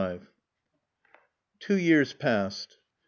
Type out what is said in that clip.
LV Two years passed.